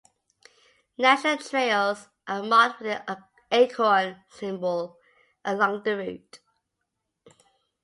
National Trails are marked with an acorn symbol along the route.